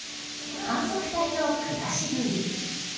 観測隊の暮らしぶり。